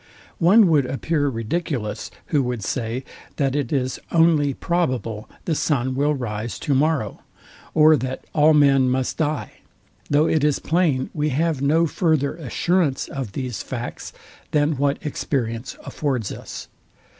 One would appear ridiculous, who would say, that it is only probable the sun will rise to morrow, or that all men must dye; though it is plain we have no further assurance of these facts, than what experience affords us.